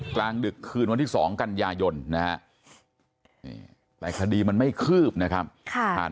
กลางดึกคืนวันที่๒กันยายนนะฮะแต่คดีมันไม่คืบนะครับผ่าน